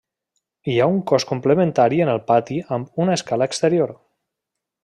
Hi ha un cos complementari en el pati amb una escala exterior.